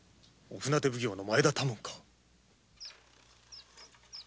お船手奉行の前田多門か？